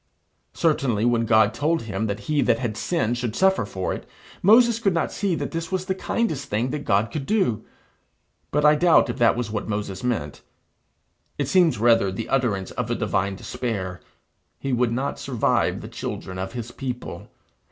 Certainly when God told him that he that had sinned should suffer for it, Moses could not see that this was the kindest thing that God could do. But I doubt if that was what Moses meant. It seems rather the utterance of a divine despair: he would not survive the children of his people.